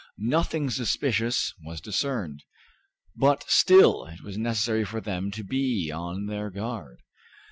Nothing suspicious was discerned, but still it was necessary for them to be on their guard.